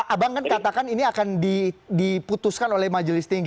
abang kan katakan ini akan diputuskan oleh majelis tinggi